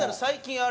あれ？